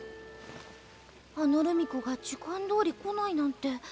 あの留美子が時間どおり来ないなんて。